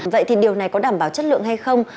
vậy thì điều này có đảm bảo chất lượng hay không